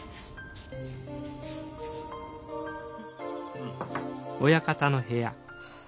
うん。